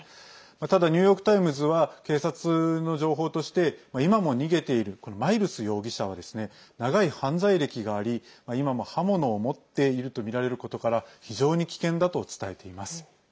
ただ、ニューヨーク・タイムズは警察の情報として今も逃げているマイルス容疑者は長い犯罪歴があり、いまも刃物を持っているとみられることから非常に危険だと伝えています。